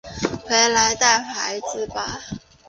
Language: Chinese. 回来带小孩吧